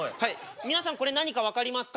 皆さんこれ何か分かりますか？